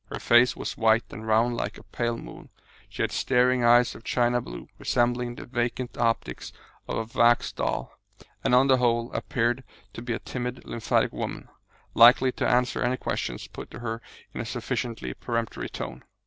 Her face was white and round like a pale moon; she had staring eyes of a china blue, resembling the vacant optics of a wax doll; and, on the whole, appeared to be a timid, lymphatic woman, likely to answer any questions put to her in a sufficiently peremptory tone.